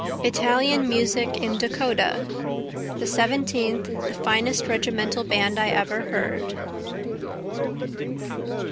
Italian Music in Dakota ["The Seventeenth the finest Regimental Band I ever heard."